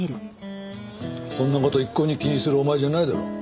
そんな事一向に気にするお前じゃないだろ。